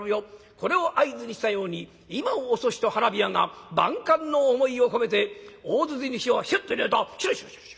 これを合図にしたように今を遅しと花火屋が万感の思いを込めて大筒に火をヒュッと入れるとシュルシュルシュ。